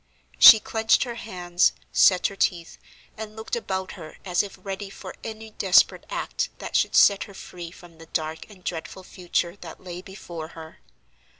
She clenched her hands, set her teeth, and looked about her as if ready for any desperate act that should set her free from the dark and dreadful future that lay before her.